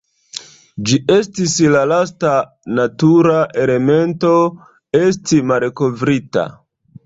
Ĝi estis la lasta natura elemento esti malkovrita.